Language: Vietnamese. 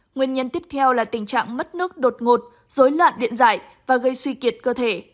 nguyên nhân tiếp theo là tình trạng mất nước đột ngột dối loạn điện giải và gây suy kiệt cơ thể